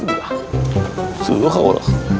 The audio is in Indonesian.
saya berhutang dengan anda